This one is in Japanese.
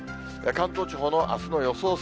関東地方のあすの予想